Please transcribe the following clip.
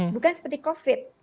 bukan seperti covid